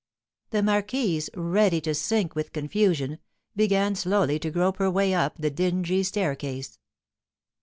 The marquise, ready to sink with confusion, began slowly to grope her way up the dingy staircase.